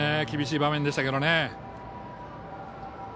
厳しい場面でしたけどね。